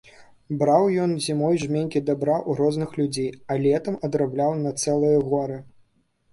Браў ён зімой жменькі дабра ў розных людзей, а летам адрабляў на цэлыя горы.